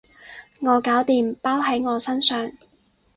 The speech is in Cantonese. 我搞掂，包喺我身上